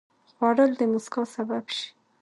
خوړل د مسکا سبب شي